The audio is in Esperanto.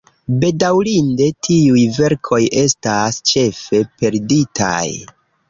Bedaŭrinde tiuj verkoj estas ĉefe perditaj.